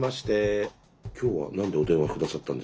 今日は何でお電話下さったんでしょうか。